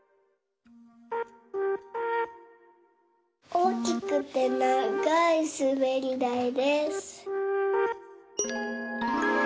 おおきくてながいすべりだいです。